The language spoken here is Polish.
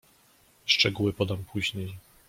"Szczegóły podam później."